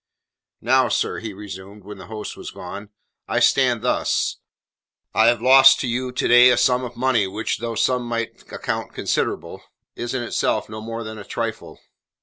"Now, sir," he resumed, when the host was gone. "I stand thus: I have lost to you to day a sum of money which, though some might account considerable, is in itself no more than a trifle.